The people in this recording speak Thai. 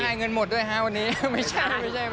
ใช่เงินหมดด้วยฮะวันนี้ไม่ใช่